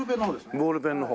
ボールペンの方。